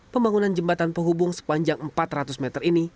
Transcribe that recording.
pembangunan jembatan penghubung sepanjang empat ratus meter ini